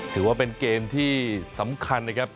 ถือว่าเป็นเกมที่สำคัญนะครับ